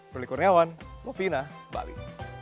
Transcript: berliku rewan lovina bali